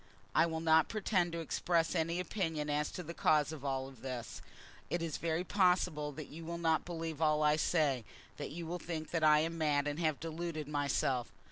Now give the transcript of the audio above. I will not pretend to express any opinion as to the cause of all this. It is very possible that you will not believe all I say, that you will think that I am mad and have deluded myself.